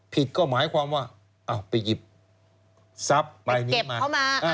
ผิดก็หมายความว่าอ้าวไปหยิบซับไปเก็บเขามา